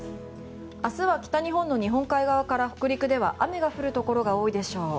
明日は北日本の日本海側から北陸では雨が降るところが多いでしょう。